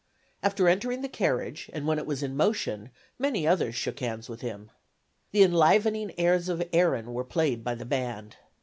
After entering the carriage, and when it was in motion, many others shook hands with him. The enlivening airs of Erin were played by the band.